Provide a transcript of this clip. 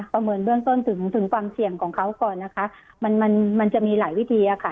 ประเมินเรื่องต้นถึงความเสี่ยงของเขาก่อนนะคะมันจะมีหลายวิธีค่ะ